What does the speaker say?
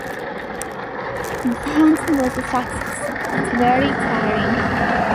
The hunting was a success, but very tiring.